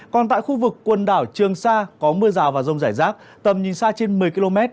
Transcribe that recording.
còn tại khu vực quần đảo trường sa có mưa rào và rông rải rác tầm nhìn xa trên một mươi km